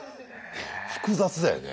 複雑だよね。